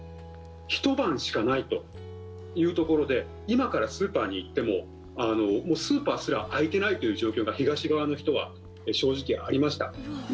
ひと晩しかないというところで今からスーパーに行ってもスーパーすら開いていないという状況が東側の人は、正直ありました。